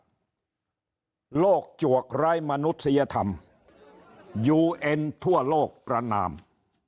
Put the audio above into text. โลกจวกไร้มนุษยธรรมยูเอ็นทั่วโลกประนาม